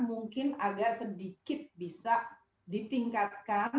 mungkin agak sedikit bisa ditingkatkan